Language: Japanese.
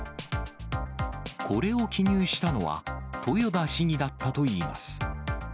これを記入したのは豊田市議だったといいます。